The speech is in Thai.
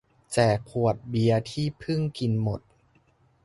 แจกขวดเบียร์ที่เพิ่งกินหมด